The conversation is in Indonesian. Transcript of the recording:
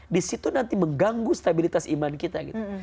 disitu nanti mengganggu stabilitas iman kita gitu